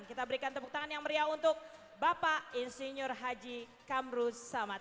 kita berikan tepuk tangan yang meriah untuk bapak insinyur haji kamru samad